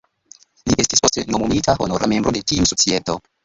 Li estis poste nomumita honora membro de tiu Societo.